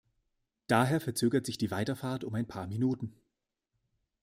Daher verzögert sich die Weiterfahrt um ein paar Minuten.